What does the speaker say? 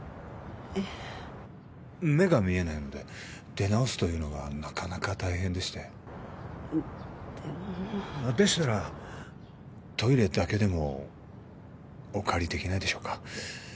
え目が見えないので出直すというのがなかなか大変でしてでもでしたらトイレだけでもお借りできないでしょうか？